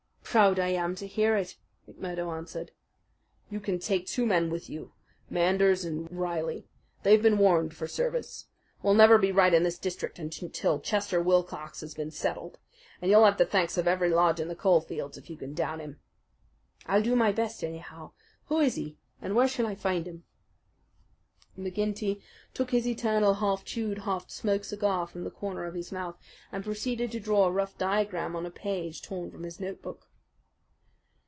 "Proud I am to hear it," McMurdo answered. "You can take two men with you Manders and Reilly. They have been warned for service. We'll never be right in this district until Chester Wilcox has been settled, and you'll have the thanks of every lodge in the coal fields if you can down him." "I'll do my best, anyhow. Who is he, and where shall I find him?" McGinty took his eternal half chewed, half smoked cigar from the corner of his mouth, and proceeded to draw a rough diagram on a page torn from his notebook.